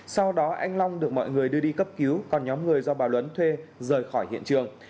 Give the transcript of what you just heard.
sau đó anh long được mọi người đưa đi cấp cứu còn nhóm người do bà luấn thuê rời khỏi hiện trường